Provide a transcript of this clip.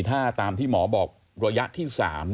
ถ้าตามที่หมอบอกระยะที่๓